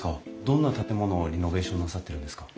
どんな建物をリノベーションなさってるんですか？